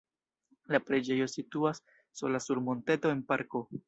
La preĝejo situas sola sur monteto en parko.